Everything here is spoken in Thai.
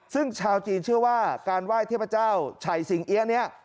ซึ่งชาวจีนเชื่อว่าการไหว้เทพเจ้าชัยสิงเอี๊ยะเนี่ย